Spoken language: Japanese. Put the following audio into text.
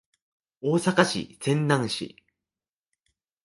大阪府泉南市